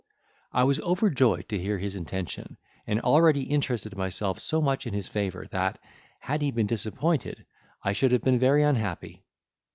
I was overjoyed to hear his intention, and already interested myself so much in his favour that, had he been disappointed, I should have been very unhappy.